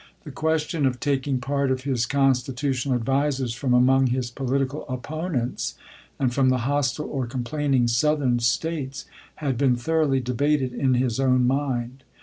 The question of taking part of his constitutional advisers from among his political opponents, and from the hostile or complaining Southern States, had been thoroughly debated in his own mind.